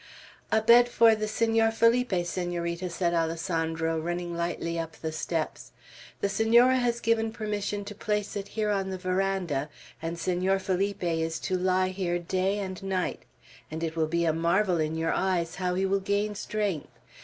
"A bed for the Senor Felipe, Senorita," said Alessandro, running lightly up the steps. "The Senora has given permission to place it here on the veranda, and Senor Felipe is to lie here day and night; and it will be a marvel in your eyes how he will gain strength.